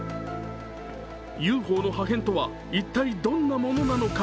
ＵＦＯの破片とは一体、どんなものなのか。